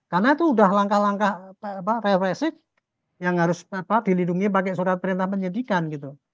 karena itu udah langkah langkah apa revesik yang harus dilindungi pakai surat perintah penyidikan gitu